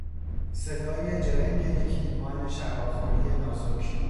صدای جرنگ یک لیوان شراب خوری نازک